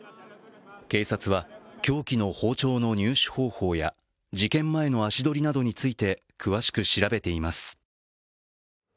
警察は凶器の包丁の入手方法や事件前の足取りなどについて詳しく調べています。